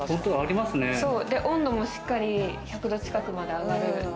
温度もしっかり１００℃近くまで上がる。